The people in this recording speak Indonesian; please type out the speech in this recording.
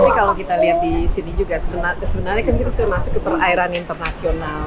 tapi kalau kita lihat di sini juga sebenarnya kan kita sudah masuk ke perairan internasional